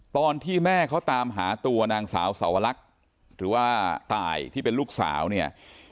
ตอนที่แม่เขาตามหาตัวนางสาวสวรรคหรือว่าตายที่เป็นลูกสาวเนี่ย